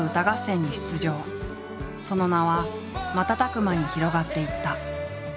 その名は瞬く間に広がっていった。